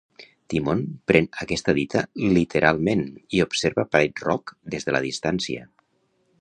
Timon pren aquesta dita literalment i observa Pride Rock des de la distància.